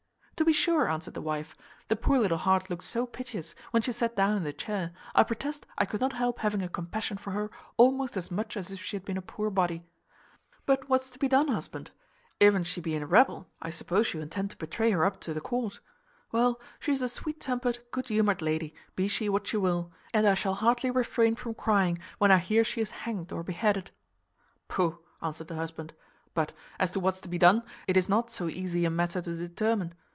"To be sure," answered the wife, "the poor little heart looked so piteous, when she sat down in the chair, I protest I could not help having a compassion for her almost as much as if she had been a poor body. But what's to be done, husband? If an she be a rebel, I suppose you intend to betray her up to the court. Well, she's a sweet tempered, good humoured lady, be she what she will, and I shall hardly refrain from crying when I hear she is hanged or beheaded." "Pooh!" answered the husband. "But, as to what's to be done, it is not so easy a matter to determine.